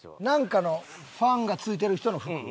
なんかのファンがついてる人の服？